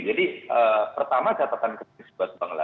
jadi pertama catatan kritis buat bang rahli